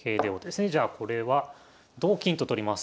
じゃあこれは同金と取ります。